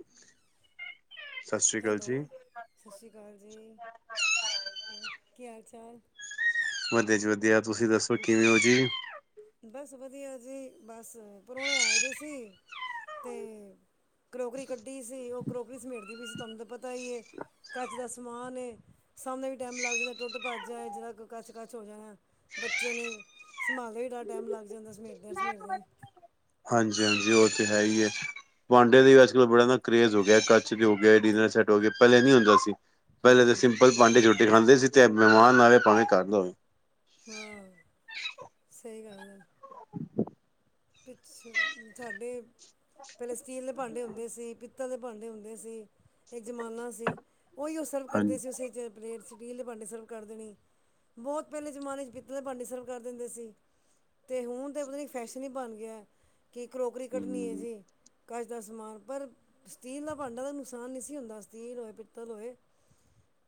ਅੱਛਾ। ਹੈਲੋ ਸਸ ਸ਼੍ਰੀ ਕਾਲ ਜੀ, ਹੋਰ ਕੀ ਹਾਲ-ਚਾਲ? ਵਧੀਆ ਜੀ ਵਧੀਆ ਤੁਸੀਂ ਦੱਸੋ ਕਿਵੇਂ ਓ ਜੀ। ਬਸ ਵਧੀਆ ਜੀ ਬਸ ਪ੍ਰੋਨੇ ਆਏ ਦੇ ਸੀ ਤੇ ਕਰੋਕਰੀ ਕੱਢੀ ਸੀ ਓ ਕਰੋਕਰੀ ਸਮੇਟਦੀ ਪੀ ਸੀ ਤੁਆਨੂੰ ਤੇ ਪਤਾ ਈ ਏ। ਕੱਚ ਦਾ ਸਮਾਨ ਏ ਸਾਹਮਣੇ ਵੀ ਟੈਮ ਲੱਗ ਜਾਂਦਾ ਟੁੱਟ-ਭੱਜ ਜਾਏ ਜਰਾ ਕ ਕੱਚ-ਕੱਚ ਹੋ ਜਾਣਾ ਬੱਚੇ ਨੇ ਸੰਭਾਲਦੇ ਵੀ ਬੜਾ ਟੈਮ ਲੱਗ ਜਾਂਦਾ ਸਮੇਟ ਦੇਆਂ-ਸਮੇਟ ਦੇਆਂ ਈ। ਹਾਂਜੀ-ਹਾਂਜੀ ਓ ਤੇ ਹੈ ਈ ਏ। ਭਾਂਡੇ ਦੇ ਵੀ ਅੱਜ-ਕੱਲ੍ਹ ਬੜਾ ਨਾ ਕਰਰੇੇਜ ਹੋ ਗਿਆ ਕੱਚ ਦੇ ਹੋ ਗਏ ਡਿਨਰ ਸੈਟ ਹੋ ਗਏ ਪੈਲੇ ਨੀ ਹੁੰਦੇ ਸੀ। ਪੈਲੇ ਤੇ ਸਿੰਪਲ ਭਾਂਡੇ ਚ ਰੋਟੀ ਖਾਂਦੇ ਸੀ ਤੇ ਮਹਿਮਾਨ ਆਏ ਪਾਵੇਂ ਕੱਰ ਦਾ ਹੋਵੇ। ਹਾਂ ਸਈ ਗੱਲ ਐ। ਪਿੱਛ ਸਾਡੇ ਪਹਿਲੇ, ਸਟੀਲ ਦੇ ਭਾਂਡੇ ਹੁੰਦੇ ਸੀ ਪਿ। ਪਿੱਤਲ ਦੇ ਭਾਂਡੇ ਹੁੰਦੇ ਸੀ ਇੱਕ ਜ਼ਮਾਨਾ ਸੀ, ਉਹੀਉ ਸਰਵ ਹਾਂਜੀ ਕਰਦੇ ਸੀ ਉਸੇ 'ਚ। ਪਲੇਟ ਸਟੀਲ ਦੇ ਭਾਂਡੇ ਸਰਵ ਕਰ ਦੇਣੀ ਬਹੁਤ ਪਹਿਲੇ ਜ਼ਮਾਨੇ 'ਚ ਪਿੱਤਲ ਦੇ ਭਾਂਡੇ ਸਰਵ ਕਰ ਦਿੰਦੇ ਸੀ। ਤੇ ਹੁਣ ਤਾਂ ਪਤਾ ਨੀ ਫੈਸ਼ਨ ਹੀ ਬਣ ਗਿਆ, ਕਿ ਕਰੋਕਰੀ ਕੱਢਣੀ ਹੈ ਹਮ ਜੀ। ਕੱਚ ਦਾ ਸਮਾਨ ਪਰ ਸਟੀਲ ਦਾ ਭਾਂਡਾ, ਤਾਂ ਨੁਕਸਾਨ ਨਹੀਂ ਸੀ ਹੁੰਦਾ ਸਟੀਲ ਹੋਏ ਪਿੱਤਲ ਹੋਏ।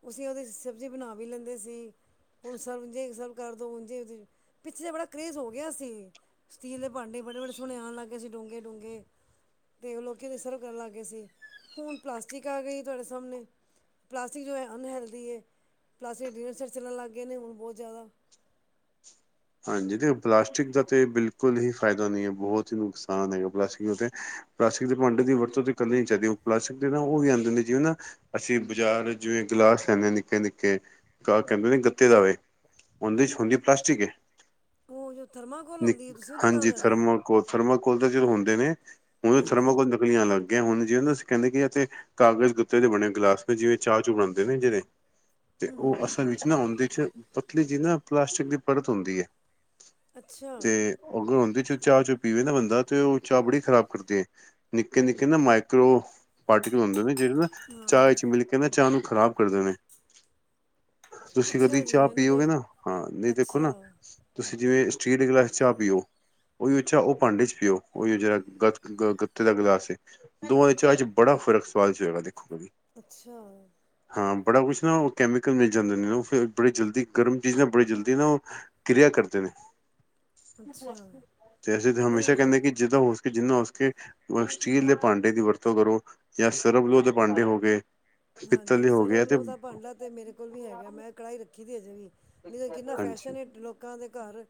ਅਸੀਂ ਉਹਦੇ, ਸਬਜ਼ੀ ਬਣਾ ਵੀ ਲੈਂਦੇ ਸੀ। ਹੁਣ ਸਰਜੇ ਸਰ ਕਰ ਦਉ, ਉਝੇ ਪਿੱਛੇ ਜ ਬੜਾ ਕਰੇਜ਼ ਹੋ ਗਿਆ ਸੀ। ਸਟੀਲ ਦੇ ਭਾਂਡੇ ਬੜੇ ਬੜੇ, ਸੋਹਣੇ ਆਉਣ ਲੱਗ ਗਏ ਸੀ ਡੂੰਗੇੇ -ਡੂੰਘੇ। ਅਤੇ ਉਹ ਲੋਕੀ ਦੀ ਸਰਵ ਕਰਨ ਲੱਗ ਗਏ ਸੀ, ਹੁਣ ਪਲਾਸਟਿਕ ਆ ਗਈ ਤੁਹਾਡੇ ਸਾਹਮਣੇ। ਪਲਾਸਟਿਕ ਜੋ ਹੈ ਅਨਹੈਲਦੀ ਹੈ, ਪਲਾਸਟਿਕ ਦੇ ਡਿਨਰ ਸੈਟ ਚੱਲਣ ਲੱਗ ਗਏ ਨੇ ਹੁਣ ਬਹੁਤ ਜ਼ਿਆਦਾ। ਹਾਂਜੀ, ਤੇ ਪਲਾਸਟਿਕ ਦਾ ਤਾਂ ਬਿਲਕੁਲ ਹੀ ਫ਼ਾਇਦਾ ਨਹੀਂ ਹੈ, ਬਹੁਤ ਹੀ ਨੁਕਸਾਨ ਹੈਗਾ ਪਲਾਸਟਿਕ ਦਾ ਤੇ। ਪਲਾਸਟਿਕ ਦੇ ਭਾਂਡੇ ਦੀ ਵਰਤੋਂ, ਤਾਂ ਕਰਨੀਆਂ ਚਾਹੀਦੀ ਪਲਾਸਟਿਕ ਦੇ ਨਾ ਉਹ ਵੀ ਆਂਦੇ ਨੇ ਜਿਵੇਂ ਨਾ। ਅਸੀਂ ਬਾਜ਼ਾਰ ਜਿਵੇਂ ਗਿਲਾਸ ਲੈਂਦੇ, ਨਿੱਕੇ -ਨਿੱਕੇ ਗ ਕਹਿੰਦੇ ਗੱਤੇ ਦਾ ਹੋਵੇ। ਉਹਦੇ ਚ ਹੁੰਦੀ ਪਲਾਸਟਿਕ ਏ ਉਹ ਜੋ ਥਰਮਾਕੋਲ ਨਈ ਹੁੰਦੀ ਹੈ ਤੁਸੀਂ ਉਹਦੀ ਗੱਲ ਹਾਂਜੀ ਕਰ ਰਹੇ ਹੋ। ਥਰਮਾਕੋਲ ਥਰਮਾਕੋਲ ਦੇ ਜਿਵੇਂ ਹੁੰਦੇ ਨੇ ਉਹਨੇ ਹਾਂਜੀ ਥਰਮਾਕੋਲ। ਵੀ ਆਣ ਲੱਗ ਗਈਆ ਹੁਣ ਜਿਵੇਂ ਨਾ ਅਸੀਂ ਕਹਿੰਦੇ ਕਾਗਜ਼ ਗੱਤੇ ਦੇ ਬਣੇ ਗਲਾਸ ਜਿਵੇਂ ਚਾਹ ਚੂ ਬਣਾਉਦੇ। ਦੇ ਨੇ ਜਿਹੜੇ ਤੇ ਉਹ ਅਸਲ ਵਿੱਚ ਨਾ ਉਹਦੇ ਚ ਪਤਲੀ ਜੀ ਨਾ ਪਲਾਸਟਿਕ ਦੀ ਪਰਤ ਹੁੰਦੀ ਹੈ। ਅੱਛਾ ਤੇ ਅਗਰ ਉਹਦੇ ਚ ਚਾਹ ਚੂ ਪੀਵੇ ਨਾ ਬੰਦਾ ਤੇ ਉਹ ਚਾਹ ਬੜੀ ਖ਼ਰਾਬ ਕਰਦੀ ਹੈ। ਨਿੱਕੇ ਨਿੱਕੇ ਨਾ ਮਾਈਕਰੋ ਪਾਰਟੀਕਲ ਹੁੰਦੇ ਨੇ ਜਿਹੜੇ ਨਾ ਚਾਹ ਇਚ ਮਿਲ ਕੇ ਨਾ ਚਾਹ ਨੂੰ ਖ਼ਰਾਬ ਕਰ ਦੇ ਨੇ। ਤੁਸੀਂ ਅੱਛਾ ਉਦੀ ਜੀ ਚਾਹ ਮੈਨੂੰ ਤੇ ਪੀਓਗੇ ਨਾ ਹਾਂ ਨਹੀਂ ਦੇਖੋ ਅੱਛਾ ਨਾ। ਤੁਸੀਂ ਜਿਵੇਂ ਸਟੀਲ ਦੇ ਗਲਾਸ ਚ ਚਾਹ ਪੀਓ। ਉਹੀ ਉ ਅੱਛਾ ਉਹ ਭਾਂਡੇ ਚ ਪਿਓ ਉਹੀ ਜਿਹੜਾ ਗ ਗੱਤੇ ਦਾ ਗਲਾਸ ਸੀ। ਦੋਵਾਂ ਦੇ ਚਾਹ ਚ ਬੜਾ ਫ਼ਰਕ ਸਵਾਦ‌ ਚ ਹੈਗਾ ਦੇਖੋ ਅੱਛਾ ਹਾਂ ਬੜਾ ਕੁਛ ਨਾ ਕੈਮੀਕਲ ਮਿਲ ਜਾਂਦੇ ਨੇ ਉਹ ਫੇਰ ਬੜੀ ਜਲਦੀ ਗਰਮ ਚੀਜ਼ਾਂ ਨਾਲ ਬੜੀ ਜਲਦੀ ਨਾ ਉਹ ਕਿਰਿਆ ਕਰਦੇ। ਕਰਦੇ ਨੇ ਅੱਛਾ ਤੇ ਅਸੀਂ ਤੇ ਹਮੇਸ਼ਾ ਨਹੀਂ ਕਹਿੰਦੇ ਕਿ ਜਿੱਦਾ ਹੋ ਸਕੇ ਜਿੰਨਾ ਹੋ ਸਕੇ ਸਟੀਲ ਦੇ ਭਾਂਡੇ ਦੀ ਵਰਤੋਂ ਕਰੋ। ਜਾ ਸਰਵਲਓ ਤੇ ਭਾਂਡੇ ਹੋ ਗਏ। ਪਿੱਤਲ ਹਾਂਜੀ ਦੇ ਹੋ ਗਏ ਤੇ ਸਰਵਲਓ ਦਾ ਭਾਂਡਾ। ਅਤੇ ਮੇਰੇ ਕੋਲ ਵੀ ਹੈਗਾ ਮੈਂ ਕੜਾਹੀ ਰੱਖੀ ਦੀ ਅਜੇ ਵੀ ਨਹੀਂ ਤਾਂ ਕਿੰਨਾ ਫੈਸ਼ਨ ਹਾਂਜੀ ਲੋਕ ਲੋਕਾਂ ਦੇ ਘਰ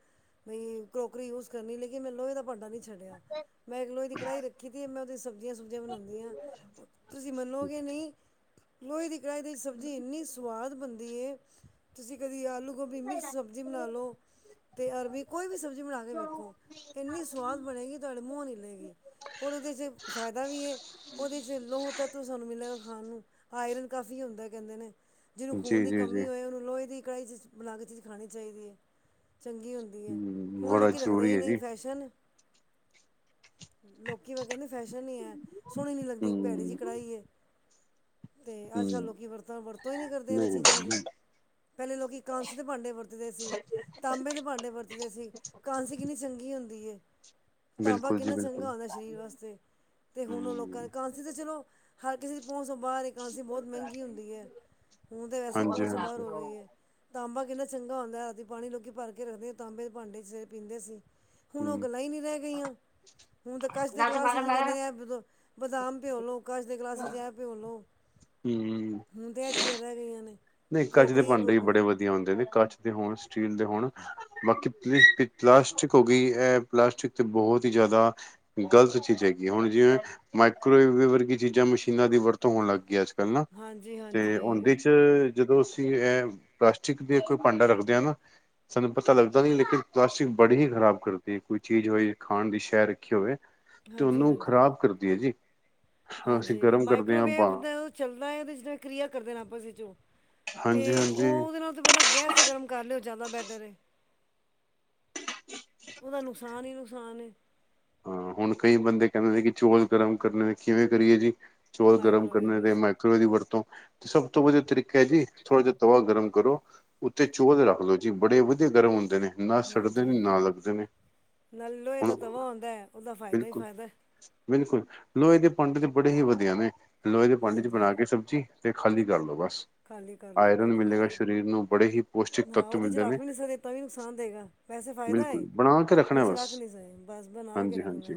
ਬਈ ਕਰੋਕਰੀ ਯੂਜ ਕਰਨੀ ਲੇਕਿਨ ਮੈਨੂੰ ਵੀ ਤਾਂ ਭਾਂਡਾ ਨੀ ਛੱਡਿਆ ਮੈਂ ਇਕ ਲੋਹੇ ਦੀ ਕੜਾਈ ਰੱਖੀ ਦੀ ਮੈਂ ਉਦੇ ਚ ਸਬਜ਼ੀਆਂ ਸੁਬਜ਼ੀਆਂ ਬਣਾਦੀ ਹਾਂ। ਤੁਸੀਂ ਮੰਨੋਗੇ ਨਹੀਂ। ਲੋਏ ਦੀ ਕੜਾਹੀ ਦੇ ਵਿੱਚ ਸਬਜ਼ੀ ਇਨੀ ਸਵਾਦ ਬਣਦੀ ਏ ਤੁਸੀਂ ਕਦੀ ਆਲੂ ਗੋਭੀ ਮਿਕਸ ਸਬਜ਼ੀ ਬਣਾ ਲਉ। ਤੇ ਅਰਬੀ ਕੋਈ ਵੀ ਸਬਜ਼ੀ ਬਣਾ ਕੇ ਵੇਖੋ ਇੰਨੀ ਸਵਾਦ ਬਣੇਗੀ ਤੁਹਾਡੇ ਮੂੰਹ ਨੀ ਲਏਗੀ। ਔਰ ਉਹਦੇ 'ਚ ਫਾਇਦਾ ਵੀ ਹੈ ਉਹਦੇ 'ਚ ਲਹਤੱਤਵ ਸਾਨੂੰ ਮਿਲੇਗਾ ਖਾਣ ਨੂੰ। ਆਇਰਨ ਕਾਫੀ ਹੁੰਦਾ। ਕਹਿੰਦੇ ਨੇ ਜਿਹਨੂੰ ਖੂਨ ਜੀ ਦੀ ਜੀ ਜੀ ਕਮੀ ਹੋਏ ਉਹਨੂੰ ਲੋਹੇ ਦੀ ਕੜਾਹੀ 'ਚ ਬਨਾ ਕੇ ਚੀਜ਼ ਖਾਣੀ ਚਾਹੀਦੀ ਐ ਚੰਗੀ ਹੁੰਦੀ ਏ ਹਮ ਹੁਣ ਬੜਾ ਲੋਕੀ ਰੱਖਦੇ ਜ਼ਰੂਰੀ ਹੀ ਹੈ ਜੀ ਨਹੀਂ ਫੈਸ਼ਨ ਲੋਕੀ ਤੇ ਕਹਿੰਦੇ ਫੈਸ਼ਨ ਹੀ ਹੈ ਸੋਹਣੀ ਨਹੀਂ ਲੱਗਦੀ ਭੈੜੀ ਹਮ ਜਿਹੀ ਕੜਾਈ ਏ ਤੇ ਅੱਜ ਕੱਲ੍ਹ ਹਮ ਲੋਕੀ ਵਰਤੋਂ ਵਰਤੋਂ ਹੀ ਨਹੀਂ ਕਰਦੇ ਇਹਨਾਂ ਚੀਜ਼ਾਂ ਦੀ। ਨਹੀਂ ਪਹਿਲੇ ਲੋਕੀ ਕਾਂਸੀ ਦੇ ਭਾਂਡੇ ਵਰਤਦੇ ਸੀ। ਤਾਂਬੇ ਦੇ ਭਾਂਡੇ ਵਰਤਦੇ ਸੀ। ਵਰਤਦੇ ਸੀ ਕਾਂਸੀ ਕਿੰਨੀ ਚੰਗੀ ਹੁੰਦੀ ਹੈ। ਤਾਂਬਾ ਬਿਲਕੁਲ ਜੀ ਕਿੰਨਾ ਬਿਲਕੁਲ ਚੰਗਾ ਹੁੰਦਾ ਸਰੀਰ ਵਾਸਤੇ ਤੇ ਹੁਣ ਉਹ ਲੋਕਾਂ ਹਮ ਦੇ ਕ ਇਥੇ ਤੇ ਚਲੋ ਹਰ ਕਿਸੇ ਦੀ ਪਹੁੰਚ ਤੋਂ ਬਾਹਰ ਏ ਕਾਂਸੀ ਬਹੁਤ ਮਹਿੰਗੀ ਹੁੰਦੀ ਹੈ, ਹੁਣ ਤਾਂ ਵੈਸੇ ਹੀ ਹਾਂਜੀ ਪਹੁੰਚ ਤੋਂ ਬਾਹਰ ਹਾਂਜੀ ਹੋ ਗਈ ਹੈ। ਤਾਂਬਾ ਕਿੰਨਾ ਚੰਗਾ ਹੁੰਦਾ ਰਾਤੀ ਪਾਣੀ ਲੋਕੀ ਭਰ ਕੇ ਰੱਖਦੇ ਤਾਂਬੇ ਦੇ ਭਾਂਡੇ ਚ ਪੀਂਦੇ ਸੀ। ਹੁਣ ਉਹ ਹਮ ਗਲਾ ਹੀ ਨੀ ਰਹਿ ਗਈਆਂ। ਹੁਣ ਤਾਂ ਕਚ ਦੇ ਗਲਾਸ ਚ ਕਹਿੰਦੇ ਨੇ ਬਦਾਮ ਭਿਓ ਲਓ ਕਚ ਦੇ ਗਲਾਸ ਵਿੱਚ ਇਹ ਭਿਓ ਲਓ। ਹੂੰ। ਹੁਣ ਤੇ ਇਹ ਚੀਜਾਂ ਰਹਿ ਗਈਆਂ ਨੇ। ਨਈ ਕੱਚ ਦੇ ਕਰੋਕਰੀ ਹੈ ਭਾਂਡੇ ਵੀ ਕਰੋਕਰੀ ਬੜੇ ਵਧੀਆ ਹੁੰਦੇ ਨੇ ਕੱਚ ਦੇ ਹੋਣ ਸਟੀਲ ਦੇ ਹੋਣ। ਬਾਕੀ ਪ ਪਲਾਸਟਿਕ ਹੋ ਗਈ ਹੈ, ਇਹ ਪਲਾਸਟਿਕ ਤੇ ਬਹੁਤ ਹੀ ਜ਼ਿਆਦਾ ਗ਼ਲਤ ਚੀਜ਼ਾਂ ਹੈਗੀ ਹੁਣ ਜਿਵੇਂ ਮਾਈਕਰੋਵ ਦੇ ਵਰਗੀ ਚੀਜ਼ਾਂ ਮਸ਼ੀਨਾਂ ਦੀ ਵਰਤੋਂ ਹੋਣ ਲੱਗ ਗਈ ਅੱਜ। ਹੈਨਾ ਹਾਂਜੀ ਹਾਂਜੀ ਹੁਣ ਦੀ ਚ ਜਦੋਂ ਅਸੀਂ ਇਹ ਪਲਾਸਟਿਕ ਦੇ ਕੋਈ ਭਾਂਡਾ ਰੱਖਦੇ ਹਾਂ ਨਾ, ਸਾਨੂੰ ਪਤਾ ਲੱਗਦਾ ਨੀ ਲੇਕਿਨ ਪਲਾਸਟਿਕ ਬੜੀ ਹੀ ਖ਼ਰਾਬ ਕਰਦੀ ਹੈ ਕੋਈ ਚੀਜ਼ ਹੋਵੇ ਖਾਣ ਦੀ ਸ਼ੈ ਰੱਖੀ ਹੋਵੇ। ਤੇ ਹਾਂਜੀ ਓਹਨੂੰ ਹਾਂਜੀ ਖ਼ਰਾਬ ਕਰਦੀ ਹੈ ਜੀ। ਅਸੀਂ ਹਾਂਜੀ ਗਰਮ ਕਰਦੇ ਹਾਂ ਮਾਈਕ੍ਰੋਵੇਵ ਆਪਾਂ ਦੇ, ਚੱਲਦਾ ਇਹਦੇ ਚ ਕਿ੍ਰਿਆ ਕਰਦੇ ਨੇ ਆਪਸ ਵਿੱਚ ਹਾਂਜੀ ਤੇ ਹਾਂਜੀ ਉਹਦੇ ਨਾਲ ਤੇ ਬੰਦਾ ਗੈਸ ਗਰਮ, ਕਰਲੇ ਓ ਜਿਆਦਾ ਬੈਟਰ ਏ, ਉਹਦਾ ਨੁਕਸਾਨ ਹੀ ਨੁਕਸਾਨ ਏ। ਹਾਂ ਹੁਣ ਕਈ ਬੰਦੇ ਕਹਿੰਦੇ ਨੇ ਕਿ ਚੌਲ ਗਰਮ ਕਰਨੇ ਕਿਵੇਂ ਕਰੀਏ ਜੀ, ਚੌਲ ਗਰਮ ਮਾਈਕ੍ਰੋਵੇਵ ਕਰਨੇ ਦੇ ਵਿੱਚ ਮ ਤਵੇ ਦੀ ਵਰਤੋ, ਸਭ ਤੋਂ ਵਧੀਆ ਤਰੀਕਾ ਹੈ ਜੀ ਥੋੜ੍ਹਾ ਜਿਹਾ ਤਵਾ ਗਰਮ ਕਰੋ, ਉੱਤੇ ਚੋਲ ਰੱਖ ਲੋ ਜੀ ਬੜੇ ਵਧੀਆ ਗਰਮ ਹੁੰਦੇ ਨੇ। ਨਾ ਸੱਡਦੇ ਹਾਂਜੀ ਨੇ ਨਾ ਲੱਗਦੇ ਨੇ, ਨਾਲ ਲੋਹੇ ਦਾ ਹੁਣ- ਤਵਾ ਹੁੰਦਾ ਉਹਦਾ ਫਾਇਦਾ ਹੀ ਬਿਲਕੁਲ, ਫਾਇਦਾ ਬਿਲਕੁਲ ਲੋਹੇ ਦੇ ਭਾਂਡੇ ਤੇ ਬੜੇ ਹੀ ਵਧੀਆ ਨੇ। ਲੋਹੇ ਦੇ ਭਾਂਡੇ ਚ ਹਾਂਜੀ ਬਣਾ ਕੇ ਸਬਜ਼ੀ ਤੇ ਖਾਲੀ ਕਰ ਲੋ ਬਸ। ਖਾਲੀ ਕਰ ਲੋ ਆਇਰਨ ਬਿਲਕੁਲ ਹਾਂ, ਮਿਲੇਗਾ ਸਰੀਰ ਨੂੰ ਬੜੇ ਹੀ ਪੌਸ਼ਟਿਕ ਹਾਂ ਤੱਤ ਉਹਦੇ ਚ ਮਿਲਦੇ ਰੱਖ ਨੇ ਵੀ ਨਹੀ ਸਕਦੇ ਤਾਂ ਵੀ ਨੁਕਸਾਨ ਦਏਗਾ। ਵੈਸੇ ਫਾਇਦਾ ਏ, ਬਿਲਕੁਲ ਬਣਾ ਕੇ ਰੱਖਣਾ ਵਿੱਚ ਬਸ ਰੱਖ ਨਹੀ ਸਕਦੇ। ਬਸ ਬਣਾ ਕੇ ਹਾਂਜੀ ਹਾਂਜੀ ਰੱਖਣਾ,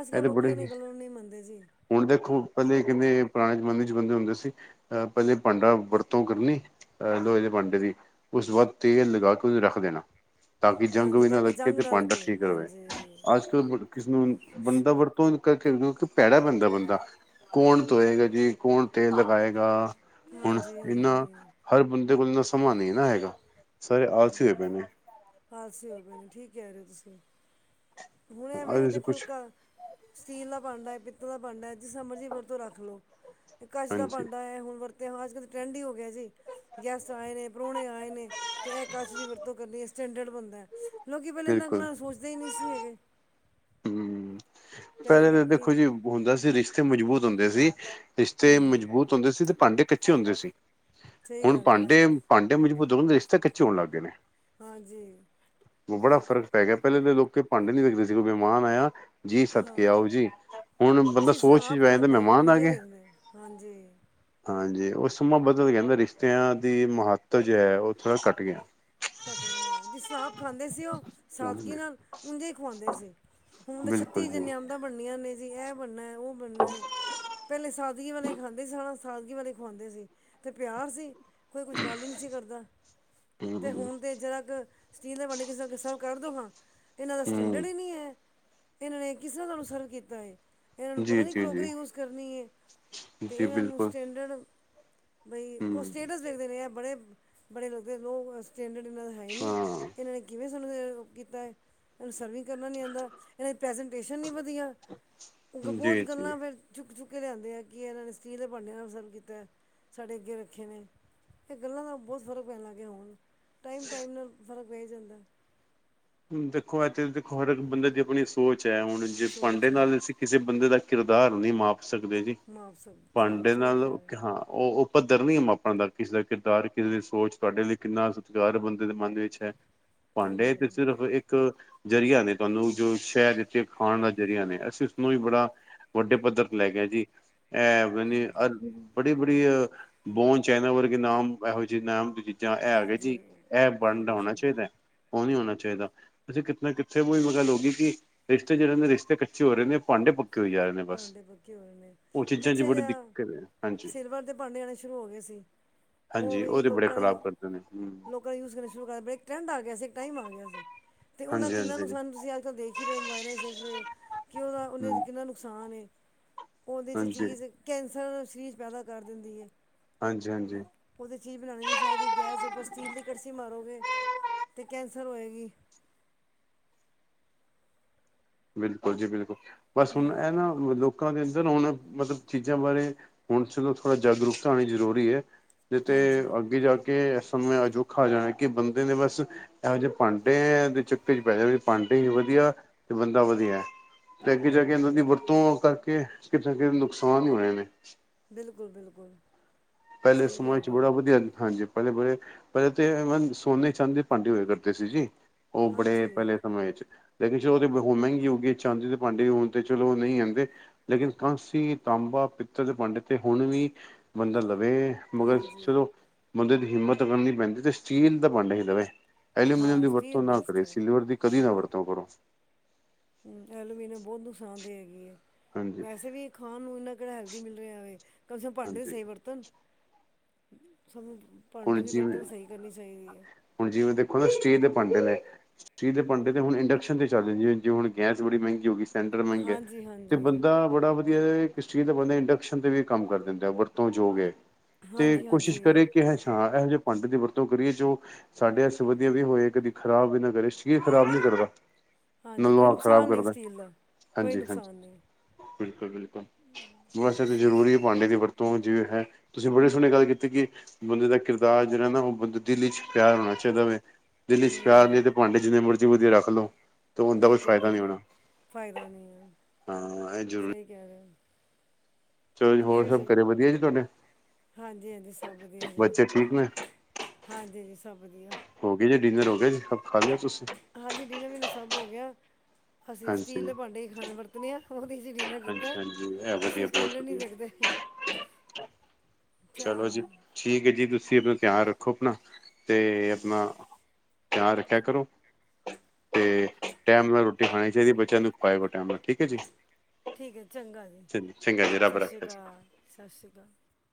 ਅੱਜ-ਕੱਲ ਤੇ ਲੋਕੀ ਬੜੇ ਇਹ ਹੀ ਨੇ ਗੱਲਾਂ ਨੂੰ ਨਹੀ ਮੰਨਦੇ ਜੀ। ਹੁਣ ਦੇਖੋ ਪਹਿਲੇ ਕਹਿੰਦੇ ਪੁਰਾਣੇ ਜਮਾਨੇ ਚ ਬੰਦੇ ਹੁੰਦੇ ਸੀ ਅ ਪਹਿਲੇ ਭਾਂਡਾ ਵਰਤੋਂ ਕਰਨੀ- ਅ ਲੋਹੇ ਦੇ ਭਾਂਡੇ ਦੀ, ਉਸ ਤੋਂ ਬਾਅਦ ਤੇਲ ਲਗਾ ਕੇ ਰੱਖ ਦੇਣਾ ਤਾਂ ਕਿ ਜੰਗ ਹਾਂਜੀ ਵੀ ਤਾਂ ਨਾ ਕਿ ਲੱਗੇ ਜੰਗ ਤੇ ਨਾ ਭਾਂਡਾ ਲੱਗੇ ਠੀਕ ਰਹੇ। ਹਾਂਜੀ ਅੱਜ-ਕੱਲ ਕਿਸ ਨੂੰ ਬੰਦਾ ਵਰਤੋਂ ਕਰਕੇ ਪੈੜਾ ਪੈਂਦਾ ਬੰਦਾ ਕੌਣ ਧੋਏਗਾ ਜੀ, ਕੌਣ ਤੇਲ ਲਗਾਏਗਾ। ਹੁਣ, ਹਾਂਜੀ ਇੰਨਾ, ਹਾਂਜੀ ਹਰ ਬੰਦੇ ਕੋਲ ਸਮਾਂ ਨਹੀਂ ਨਾ ਹੈਗਾ, ਸਾਰੇ ਆਲਸੀ ਹੋ ਪਏ ਨੇ। ਆਲਸੀ ਹੋ ਪਏ ਨੇ ਠੀਕ ਕੈ ਰਹੇ ਹੋ ਤੁਸੀਂ, ਹੁਣ ਐਵੇਂ ਨਾ ਆਲਸੀ ਦੇਖੋ ਕੁਛ ਘਰ, ਸਟੀਲ ਦਾ ਭਾਂਡਾ, ਹੈ ਪਿੱਤਲ ਦਾ ਭਾਂਡਾ ਹੈ ਜਿਸ ਮਰਜੀ ਵਰਤੋਂ ਰੱਖ ਲਓ, ਕਚ ਦਾ ਹਾਂਜੀ ਭਾਂਡਾ ਹੈ ਹੁਣ ਵਰ ਤੇ ਹਾਂ ਅੱਜ-ਕੱਲ ਤਾਂ ਟਰੈਂਡ ਹੀ ਹੋ ਗਿਆ ਜੀ, ਗੈਸਟ ਆਏ ਨੇ, ਪਰੋਹਣੇ ਆਏ ਨੇ ਤੇ ਇਹ ਕਚ ਦੀ ਵਰਤੋ ਕਰਨੀ ਆ, ਸਟੈਂਡਰਡ ਬੰਦੈ, ਲੋਕੀ ਪਹਿਲੇ ਇਨਾਂ ਬਿਲਕੁਲ ਗਲਾ ਸੋਚਦੇ ਹੀ ਨਹੀ ਸੀ ਹੈਗੇ। ਹਮ ਪਹਿਲੇ ਤਾਂ ਦੇਖੋ ਜੀ ਹੁੰਦਾ ਸੀ ਰਿਸ਼ਤੇ ਮਜ਼ਬੂਤ ਹੁੰਦੇ ਸੀ ਰਿਸ਼ਤੇ ਮਜ਼ਬੂਤ ਹੁੰਦੇ ਸੀ ਤੇ ਭਾਂਡੇ ਕੱਚੇ ਹੁੰਦੇ ਸੀ, ਸਹੀ ਹੁਣ ਗੱਲ ਹੈ ਭਾਂਡੇ ਭਾਂਡੇ ਮਜਬੂਤ ਹੋਣਦੇ ਸੀ ਕੱਚੇ ਹੋਣ ਲੱਗਏ ਨੇ। ਹਾਂਜੀ। ਬੜਾ ਫ਼ਰਕ ਪੈ ਗਿਆ ਪਹਿਲੇ ਤਾਂ ਲੋਕ ਭਾਂਡੇ ਨੀ ਦੇਖਦੇ ਸੀ ਕੋਈ ਮਹਿਮਾਨ ਆਇਆ ਜੀ ਸਦਕੇ ਆਓ ਜੀ ਹੁਨ ਬੰਦਾ ਜਿਸ ਸੋਚ ਹਿਸਾਬ ਵਿੱਚ ਪੈ ਜਾਂਦਾ ਖਾਂਦੇ ਮਹਿਮਾਨ ਆ ਉਂਝੇ ਗੇ। ਦੇ ਦਿੰਦੇ ਹਾਂਜੀ ਹਾਂਜੀ, ਓ ਸਮਾਂ ਬਦਲ ਗਿਆ ਨਾ ਰਿਸ਼ਤਿਆਂ ਦੀ ਮਹੱਤਵ ਜੋ ਹੈ ਉਹ ਥੋੜ੍ਹਾ ਘੱਟ ਗੀ। ਘਟੇ ਹੋਏ ਆ ਜਿਸ ਤਰਾਂ ਆਪ ਖਾਂਦੇ ਸੀ ਓ ਸਬਜੀ ਨਾਲ ਉਂਝੀ ਖਵਾਂਦੇ ਸੀ। ਹੁਨ ਤਾਂ ਬਿਲਕੁਲ ਛੱਤੀ ਜੀ [unintelligible] ਬਣਨੀਆਂ ਨੇ ਜੀ ਐ ਬਣਨੈ- ਓ ਬਣਨਾ, ਪਹਿਲੇ ਸਾਦਗੀ ਵਾਲੇ ਖਾਂਦੇ ਸੀ ਹਨਾ ਸਾਦਗੀ ਵਾਲੇ ਖਵਾਂਦੇ ਸੀ। ਤੇ ਪਿਆਰ ਸੀ ਕੋਈ ਕੁਝ ਗੱਲ ਈ ਨੀ ਸੀ ਕਰਦਾ। ਤੇ ਹੂੰ ਹੁਨ ਤੇ ਜਿਹੜਾ ਕ ਸਟੀਲ ਦੇ ਭਾਂਡੇ ਚ ਕਿਸੇ ਕਿਸ ਨੂੰ ਸਰਵ ਕਰ ਦੋ ਨਾ। ਏਨਾਂ ਦਾ ਸਟੈਂਡਰਡ ਹੂੰ ਈ ਨੀ ਐ ਏਨਾਂ ਨੇ ਕਿਸ ਤਰ੍ਹਾਂ ਤੁਹਾਨੂੰ ਸਰਵ ਕੀਤਾ ਐ। ਏਨਾਂ ਨੂੰ ਜੀ ਪਤਾ ਨੀ ਜੀ ਜੀ ਕਰੋਕਰੀ ਯੂਜ ਕਰਨੀ ਐ, ਤੇ ਜੀ ਏਨਾਂ ਨੂੰ ਬਿਲਕੁਲ ਸਟੈਂਡਰਡ। ਭਈ ਉਹ ਹੂੰ ਸਟੇਟਸ ਦੇਖਦੇ ਨੇ ਬੜੇ, ਬੜੇ ਲੱਗਦੇ ਲੋਕ-ਲੋਕ- ਸਟੈਂਡਡ ਏਨਾਂ ਦਾ ਹੈਈ ਨੀ, ਹਾਂ ਏਨਾਂ ਨੇ ਕਿਵੇਂ ਸਾਨੂੰ ਸਰਵ ਕੀਤਾ, ਹੂਣ ਸਾਨੂੰ ਕਰਨਾ ਨੀ ਆਂਦਾ ਏਨਾਂ ਦੀ ਪ੍ਰੈਜਨਟੇਸ਼ਨ ਨੀ ਵਧੀਆ, ਅੱਗੋਂ ਬੋਤ ਜੀ ਜੀ ਗੱਲਾਂ ਫਿਰ, ਚੁੱਕ-ਚੁੱਕ ਕੇ ਲਿਆਂਦੇ ਆ ਕਿ ਇਹਨਾਂ ਨੇ ਸਟੀਲ ਦੇ ਭਾਂਡਿਆਂ ਨਾਲ ਸਰਵ ਕੀਤਾ, ਸਾਡੇ ਅੱਗੇ ਰੱਖੇ ਨੇ। ਏ ਗੱਲਾਂ ਦਾ ਬੋਤ ਫ਼ਰਕ ਪੈਣ ਲਾਗਿਆ ਹੁਨ ਟਾਈਮ-ਟਾਈਮ ਨਾਲ ਫ਼ਰਕ ਪੈ ਜਾਂਦਾ। ਦੇਖੋ ਇੱਥੇ ਦੇਖੋ ਹਰ ਇੱਕ ਬੰਦੇ ਦੀ ਆਪਣੀ ਸੋਚ ਐ ਹੁਣ ਜੇ ਸੋਚ ਪਾਂਡੇ ਨਾਲ ਹੈ ਅਸੀਂ, ਕਿਸੇ ਬੰਦੇ ਦਾ ਕਿਰਦਾਰ ਨੀ ਮਾਪ ਸਕਦੇ ਜੀ, ਮੁਆਵਸਾ ਜੀ ਭਾਂਡੇ ਸਹੀ ਨਾਲ ਕਹਿ ਰਹੇ ਹਾਂ ਓ ਓ ਪੱਧਰ ਨੀ ਮਾਪਣ ਦਾ ਕਿਸੇ ਦਾ ਕਿਰਦਾਰ ਕਿਸੇ ਦੀ ਸੋਚ ਤੁਹਾਡੇ ਲਈ ਕਿੰਨਾ ਸਤਿਕਾਰ ਬੰਦੇ ਦੇ ਮਨ ਵਿੱਚ ਹੈ। [inaudible] ਭਾਂਡੇ ਤੇ ਸਿਰਫ ਇੱਕ ਜ਼ਰੀਆ ਨੇ ਤੁਹਾਨੂੰ ਜੋ ਸ਼ੈਅ ਦਿੱਤੀ ਆ ਖਾਣ ਦਾ ਜ਼ਰੀਆ ਨੇ ਅਸੀਂ ਉਸਨੂੰ ਵੀ ਬੜਾ, ਵੱਡੇ ਪੱਧਰ ਤੇ ਲੈ ਗਿਆ ਜੀ। ਐ ਪਤਾ ਨੀ ਬੜੀ-ਬੜੀ ਬੋਨ ਚਾਈਨਾ ਵਰਗੇ ਨਾਮ ਇਹੋ ਜੇ ਨਾਮ ਜਾਂ ਏ ਹੈਗੇ ਹਾਂਜੀ ਜੀ, ਏ ਆ ਬਣਦਾ ਗਏ ਹੋਣਾ ਸੀ ਚਾਹੀਦਾ, ਓ ਨੀ ਹੋਣਾ ਚਾਈਦਾ, ਅਸੀਂ ਕਿੱਥੇ ਨਾ ਕਿੱਥੇ ਓਹੀ ਗੱਲ ਹੋਗੀ ਕੀ ਰਿਸ਼ਤੇ ਜਿਹੜ ਨੇ ਰਿਸ਼ਤੇ ਕੱਚੇ ਹੋ ਰੇ ਨੇ ਭਾਂਡੇ ਪੱਕੇ ਹੋਈ ਜਾ ਰੇ, ਭਾਂਡੇ, ਪੱਕੀ ਹੋਏ ਨੇ। ਪਿੱਛੇ ਬੜੀ ਜਾ, ਦਿੱਕਤ ਹੈ ਹਾਂਜੀ ਸਿਲਵਰ ਦੇ ਪਾਂਡੇ, ਆਣੇ ਸ਼ੁਰੂ ਹੋ ਗੇ ਸੀ। ਉਹ ਹਾਂਜੀ, ਓ ਵੀ ਤੇ ਬੜੇ ਲੋਕਾਂ ਖ਼ਰਾਬ ਦੀ ਕਰਦੇ ਨੇ ਜੀ। ਲੋਕਾਂ ਨੇ ਯੂਜ ਕਰਨਾ ਸ਼ੁਰੂ ਕਰ ਟਰੈਂਡ ਆ ਗਿਆ ਸੀ, ਇੱਕ ਟਾਈਮ ਆ, ਗਿਆ ਸੀ। ਤੇ, ਓਨਾਂ ਹਾਂਜੀ ਕਿੰਨਾ ਹਾਂਜੀ ਨੁਕਸਾਨ ਤੁਸੀਂ, ਅੱਜ-ਕੱਲ ਦੇਖ ਈ ਰੇ ਓ ਮੋਬਾਇਲਾਂ ਚ ਦੇਖ ਰੇ ਓ ਕਿ ਓ ਹਮ ਕਿੰਨਾ ਨੁ, ਕਸਾਨ ਐ। ‌ ਓਦੇ ਚ ਹਾਂਜੀ ਚੀਜ਼, ਕੈਂਸਰ ਸਰੀਰ ਚ ਪੈਦਾ ਕਰ ਦਿੰਦੀ ਐ। ਹਾਂਜੀ, ਹਾਂਜੀ। ਓ ਤਾਂ ਚੀਜ਼ ਬਣਾਣੀ ਨੀ ਚਾਈਦੀ ਗੈਸ ਦੇ ਉੱਪਰ ਸਟੀਲ ਦੀ ਕੜਸੀ ਮਾਰੋਗੇ, ਤੇ ਕੈਂਸਰ ਹੋਏਗੀ। ਬਿਲਕੁਲ ਜੀ ਬਿਲਕੁਲ, ਬਸ ਹੁਨ ਹਾਂ ਐ ਨਾ ਲੋਕਾਂ ਦੇ ਅੰਦਰ ਹੁਨ ਮਤਲਬ ਚੀਜ਼ਾਂ ਬਾਰੇ। ਹੁਣ ਚਲੋਂ, ਥੋੜ੍ਹਾ ਜਾਗਰੂਕਤਾ ਹੋਣੀ ਜ਼ਰੂਰੀ ਐ। ਨਈ ਤੇ ਹਾਂਜੀ ਅੱਗੇ ਜਾ ਕੇ। ਸਮਾਂ ਅਜੋਖਾ ਆ ਜਾਣਾ। ਕਿ, ਬੰਦੇ ਨੇ ਬਸ। ਇਹੋ, ਜੇ ਭਾਂਡੇ ਦੇ ਚੱਕਰ ਚ ਪੈ ਜਾਣਗੇ ਭਾਂਡੇ ਈ ਵਧੀਆ, ਬੰਦਾ ਵਧੀਆ। ਤੇ, ਅੱਗੇ ਜਾ ਕੇ ਇਹਨਾਂ ਦੀ ਵਰਤੋਂ ਕਰਕੇ ਕਿਤੇ ਨਾ ਕਿਤੇ ਨੁਕਸਾਨ ਈ ਹੋਣੇ ਨੇ। ਬਿਲਕੁਲ-ਬਿਲਕੁਲ। ਪਹਿਲੇ ਸਮਾਂ ਚ ਬੜਾ ਵਧੀਆ। ਹਾਂਜੀ, ਪਹਿਲੇ ਬੜੇ ਪਹਿਲੇ ਤੇ ਸੋਨੇ, ਚਾਂਦੀ ਦੇ ਭਾਂਡੇ ਹੋਏ ਕਰਦੇ ਸੀ ਜੀ, ਓ, ਬੜੇ ਹਾਂਜੀ ਪਹਿਲੇ ਸਮੇਂ ਚ। ਲੇਕਿਨ ਚਲੋ, ਓ ਤਾਂ ਮਹਿੰਗੀ ਹੋ ਗਈ। ਚਾਂਦੀ, ਦੇ ਭਾਂਡੇ ਹੁਨ ਤੇ, ਚਲੋ ਨਈ ਆਂਦੇ। ਲੇਕਿਨ ਕਾਂਸੀ, ਤਾਂਬਾ, ਪਿੱਤਰ ਦੇ ਭਾਂਡੇ, ਤੇ ਹੁਣ ਵੀ ਬੰਦਾ ਲੱ ਵੇ, ਮਗਰ ਹਾਂਜੀ ਚਲੋ ਬੰਦੇ ਦੀ ਹਿੰਮਤ ਬਣਨੀ ਪੈਂਦੀ, ਤੇ ਸਟੀਲ ਦਾ ਭਾਂਡਾ ਈ ਰਵੇ। ਐਲੂਮੀਨੀਅਮ ਹਾਂ ਦੀ ਸਟੀਲ ਵਰਤੋਂ ਨਾ ਬੈਸਟ ਕਰੇ, ਹੈ ਸਿਲਵਰ ਦੀ ਕਦੀ ਨਾ ਵਰਤੋਂ ਕਰੋ। ਐਲੋਮੀਨੀਅਮ, ਬਹੁਤ ਨੁਕਸਾਨ ਦੇਈਗੀ ਐਂ, ਹਾਂਜੀ ਵੈਸੇ ਵੀ ਖਾਣ ਨੂੰ ਇਹਨਾ ਕਿਹੜਾ ਹੈਲਦੀ ਮਿਲ ਰਿਆ ਵੇ, ਕਮ ਸੇ ਭਾਂਡੇ ਹਾਂਜੀ ਸਹੀ ਵਰਤਣ, ਸਾਨੂੰ ਭਾਂਡੇ ਹੁਣ ਦੀ ਜਿਵੇਂ ਵਰਤੋਂ ਵੀ ਸਹੀ ਕਰਨੀ ਚਾਹੀਦੀ ਐ। ਹੁਣ ਜਿਵੇਂ ਦੇਖੋਂ ਨਾ ਸਟੀਲ ਦੇ ਭਾਂਡੇ ਨੇ ਜਿਦੇ ਭਾਂਡੇ ਤੇ ਹੁਣ ਇੰਡਕਸ਼ਨ ਤੇ ਚੱਲਦੇ, ਜਿਵੇਂ ਜ਼ੋ ਹੁਣ ਗੈਸ ਬੜੀ ਮਹਿੰਗੀ ਹੋਗੀ ਸਿਲੰਡਰ ਮਹਿੰਗਾ ਐ ਹਾਂਜੀ ਤੇ ਹਾਂਜੀ ਬੰਦਾ ਬੜਾ ਵਧੀਆਂ ਸਟਿਲ ਦੇ ਭਾਂਡੇ ਇੰਡਕਸ਼ਨ ਤੇ ਵੀ ਕੰਮ ਕਰ ਦਿੰਦਾ, ਵਰਤੋਂ ਯੋਗ ਐ ਤੇ ਹਾਂਜੀ ਕੋਸ਼ਿਸ਼ ਹਾਂਜੀ ਕਰੀਏ ਕਿ ਹੱਛਾ ਐਹੋ ਜਿਹੇ ਭਾਂਡੇ ਦੀ ਵਰਤੋਂ ਕਰੀਏ ਜੋ ਸਾਡੇ ਆਸਤੇ ਵਧੀਆ ਵੀ ਹੋਵੇ ਕਦੀ ਖਰਾਬ ਵੀ ਨਾ ਕਰੇ ਸਟੀਲ ਖਰਾਬ ਨੀ ਕਰਦਾ। ਹਾਂਜੀ ਕੋਈ ਨਲੁਹਾ ਖ਼ਰਾਬ ਨੁਕਸਾਨ ਨਹੀਂ ਕਰਦਾ, ਸਟੀਲ ਦਾ ਕੋਈ ਹਾਂਜੀ- ਹਾਂਜੀ। ਨੁਕਸਾਨ ਨਹੀਂ ਬਿਲਕੁਲ-ਬਿਲਕੁਲ ਵੈਸੇ ਤੇ ਜ਼ਰੂਰੀ ਐ। ਭਾਂਡੇ ਦੀ ਵਰਤੋਂ ਜਿਵੇਂ ਹੈ, ਤੁਸੀਂ ਬੜੀ ਸੋਹਣੀ ਗੱਲ ਕੀਤੀ ਕਿ ਬੰਦੇ ਦਾ ਕਿਰਦਾਰ ਜਿਹੜਾ, ਨਾ ਉਹ ਬੰਦੇ ਦਿੱਲ ਵਿਚ ਪਿਆਰ ਹੋਣਾ ਚਾਹੀਦਾ ਵੇ, ਦਿੱਲ ਵਿਚ ਹਾਂਜੀ ਪਿਆਰ ਨੀ ਤੇ ਭਾਂਡੇ ਜਿੰਨੇ ਮਰਜੀ ਵਧੀਆ ਰੱਖ ਲੋ ਬਿਲਕੁਲ- ਬਿਲਕੁਲ ਫ਼ਾਇਦਾ ਨੀ ਐ, ਹਾਂ ਇਹ ਜ਼ਰੂਰੀ ਸਹੀ ਕਹਿ ਰੇ ੲੌ। ਚਲੋ ਜੀ ਹੋਰ ਏ ਸਭ ਸਈ, ਘਰੇ ਵਧੀਆ ਜੀ ਤੁਹਾਡੇ ਹਾਂਜੀ -ਹਾਂਜੀ ਸਭ ਵਧੀਆ ਜੀ। ਬੱਚੇ ਠੀਕ ਨੇ ਹਾਂਜੀ ਜੀ ਸਭ ਵਧੀਆਂ। ਹੋਗੇ ਜੇ ਡਿਨਰ ਹੋ ਗਿਆ ਜੀ, ਸਬ ਖਾ ਲਿਆ, ਤੁਸੀਂ ਹਾਂਜੀ ਡੀਨਰ ਵੀਨਰ ਸਭ ਹੋਗਿਆ, ਅਸੀਂ ਸਟੀਲ ਹਾਂਜੀ ਦੇ ਭਾਂਡੇ ਖਾਂਣੇ ਵਰਤ ਉਹਦੇ ਚ ਈ ਡਿਨਰ ਕੀਤਾ, ਹਾਂਜੀ ਹਾਂਜੀ ਇਹ ਅਸੀਂ ਵਧੀਆ ਬਹੁਤ ਸਟੈਂਡਰਡ ਨੀਂ ਵਧੀਆ ਦੇਖਦੇ ਚਲੋ ਜੀ, ਠੀਕ ਹੈ ਜੀ ਤੁਸੀਂ ਆਪਣਾ ਧਿਆਨ ਰੱਖੋ ਆਪਣਾ ਤੇ ਆਪਣਾ ਧਿਆਂਨ, ਰੱਖਿਆ ਕਰੋ। ਤੇ ਟੈਮ ਨਾਲ ਰੋਟੀ ਖਾਣੀ ਚਾਹੀਦੀ, ਬੱਚਿਆਂ ਨੂੰ ਖਵਾਇਆ ਕਰੋਂ ਟੈਮ ਨਾਲ ਠੀਕ ਹੈ ਜੀ। ਠੀਕ ਹੈ, ਚੰਗਾ ਜੀ, ਚੰਗਾ ਜੀ ਰੱਬ ਸਤਿ ਸ਼੍ਰੀ ਰੱਖਾ ਜੀ ਅਕਾਲ, ਸਤਿ ਸ਼੍ਰੀ ਅਕਾਲ।